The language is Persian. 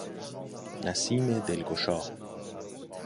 نسیم دلگشا